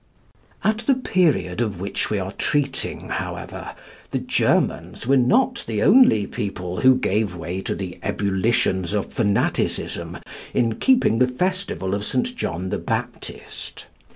At the period of which we are treating, however, the Germans were not the only people who gave way to the ebullitions of fanaticism in keeping the festival of St. John the Baptist.